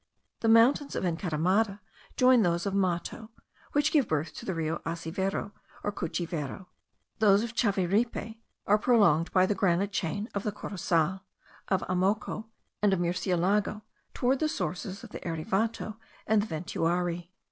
The mountains of Encaramada join those of Mato, which give birth to the Rio Asiveru or Cuchivero; those of Chaviripe are prolonged by the granite chain of the Corosal, of Amoco, and of Murcielago, towards the sources of the Erevato and the Ventuari.